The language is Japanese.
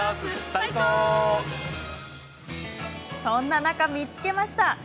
そんな中、見つけました